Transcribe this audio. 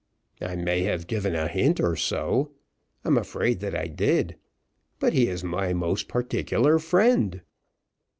"I may have given a hint or so I'm afraid that I did; but he is my most particular friend."